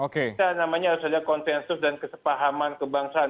kita namanya harus ada konsensus dan kesepahaman kebangsaan